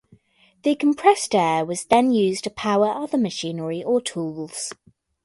The compressed air was then used to power other machinery or tools.